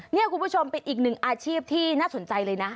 นี่คุณผู้ชมเป็นอีกหนึ่งอาชีพที่น่าสนใจเลยนะ